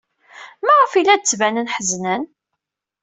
Maɣef ay la d-ttbanen ḥeznen?